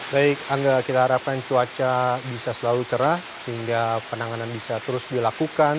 baik angga kita harapkan cuaca bisa selalu cerah sehingga penanganan bisa terus dilakukan